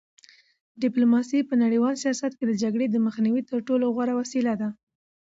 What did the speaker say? ډیپلوماسي په نړیوال سیاست کې د جګړې د مخنیوي تر ټولو غوره وسیله ده.